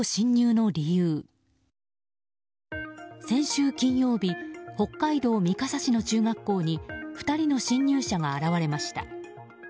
先週金曜日北海道三笠市の中学校に２人の侵入者が現れました。